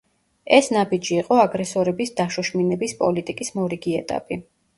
ეს ნაბიჯი იყო აგრესორების „დაშოშმინების“ პოლიტიკის მორიგი ეტაპი.